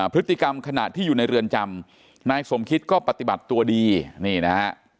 พฤติกรรมขณะที่อยู่ในเรือนจำนายสมคิดก็ปฏิบัติตัวดีนี่นะฮะ